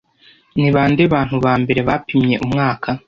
Ni bande bantu ba mbere bapimye umwaka